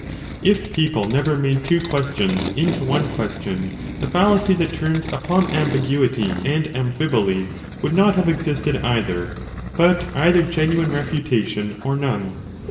1 If people never made 2 two questions into one question, 40 the fallacy that turns upon ambiguity and amphiboly would not have existed either, but either genuine refutation or none.